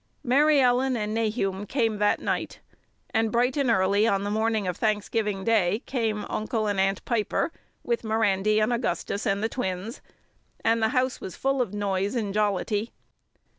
Mary Ellen and Nahum came that night, and bright and early on the morning of Thanksgiving Day came Uncle and Aunt Piper with Mirandy and Augustus and the twins, and the house was full of noise and jollity.